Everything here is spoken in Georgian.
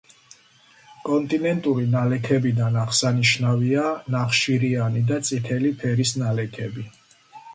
კონტინენტური ნალექებიდან აღსანიშნავია ნახშირიანი და წითელი ფერის ნალექები.